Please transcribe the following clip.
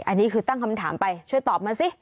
อันนี้คือตั้งคำถามไปช่วยตอบมาสิ